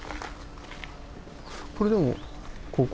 これでもここ？